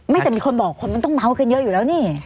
จะมีคนบอกคนมันต้องเมาส์กันเยอะอยู่แล้วนี่